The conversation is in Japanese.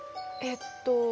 えっと